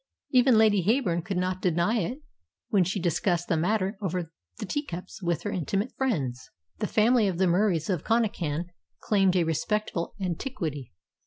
Even Lady Heyburn could not deny it when she discussed the matter over the tea cups with her intimate friends. The family of the Muries of Connachan claimed a respectable antiquity.